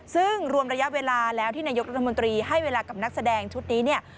ซึ่งรวมระยะเวลาแล้วที่นายกรัฐมนตรีให้เวลากับนักแสดงชุดนี้เนี่ย